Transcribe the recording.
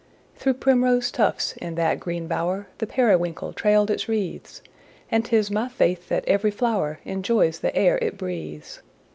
Through primrose tufts, in that green bower, The periwinkle trailed its wreaths; And 'tis my faith that every flower Enjoys the air it breathes.